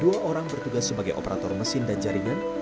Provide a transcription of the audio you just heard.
dua orang bertugas sebagai operator mesin dan jaringan